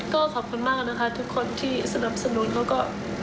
ก็ขอบคุณมากนะคะทุกคนที่สนับสนุนเขาก็